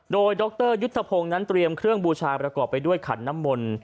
โดยดรยุทธพงศ์นั้นเตรียมเครื่องบูชาประกอบไปด้วยขันน้ำมนต์